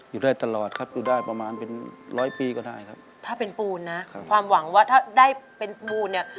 อยู่ได้ตลอดครับอยู่ได้ประมาณเป็นร้อยปีก็ได้ครับถ้าเป็นปูนนะครับความหวังว่าถ้าได้เป็นปูนเนี่ย